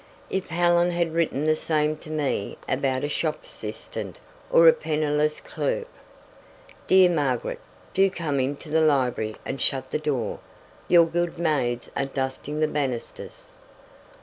"If Helen had written the same to me about a shop assistant or a penniless clerk " "Dear Margaret, do come into the library and shut the door. Your good maids are dusting the banisters."